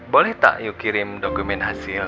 boleh tak yuk kirim dokumen hasil